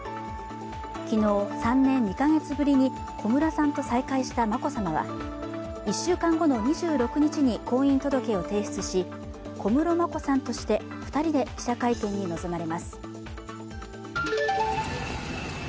昨日３年２カ月ぶりに小室さんと再会した眞子さまは１週間後の２６日に婚姻届を提出し小室眞子さんとして２人で記者会見に臨まれます。